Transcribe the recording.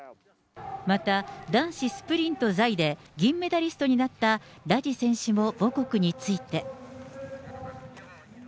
また男子スプリント座位で、銀メダリストになったラジ選手も母国について。